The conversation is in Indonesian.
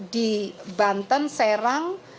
di banten serang